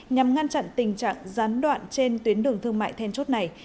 nhằm ngăn chặn tình trạng gián đoạn trên tuyến đường thương mại then chốt này